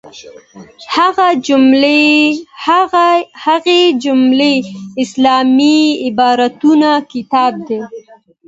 له هغې جملې اسلامي عبادتونه کتاب دی.